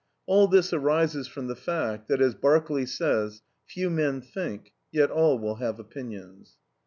All this arises from the fact that, as Berkeley says, "Few men think; yet all will have opinions."